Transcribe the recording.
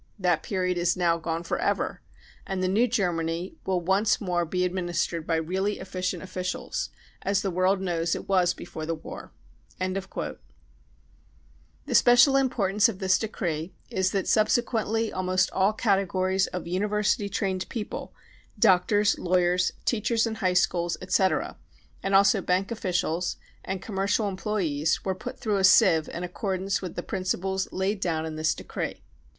That period is now gone for ever, and the new Germany will once more be ad ministered by really efficient officials, as the world knows it was before the ward 5 The special importance of this decree is that subse quently almost all categories of university trained people (doctors, lawyers, teachers in high schools, etc.), and also banl officials and conltnercial employees, were put through a sieve in accordance with the principles laid down in this decree.